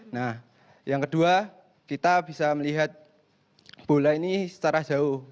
nah yang kedua kita bisa melihat bola ini secara jauh